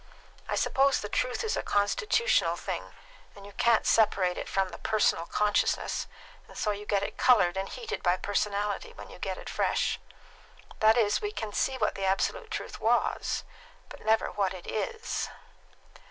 I suppose the truth is a constitutional thing, and you can't separate it from the personal consciousness, and so you get it coloured and heated by personality when you get it fresh. That is, we can see what the absolute truth was, but never what it is."